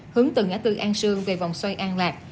hướng từ ngã tư an sương về vòng xoay an lạc